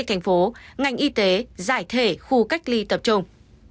thành phố ngành y tế giải thể khu cách ly tập trung